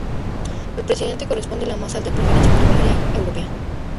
Al Presidente corresponde la más alta preferencia protocolaria europea.